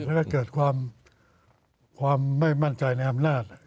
แล้วก็เกิดความไม่มั่นใจในอำนาจ